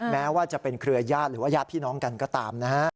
แม้ว่าจะเป็นเครือญาติหรือว่าญาติพี่น้องกันก็ตามนะฮะ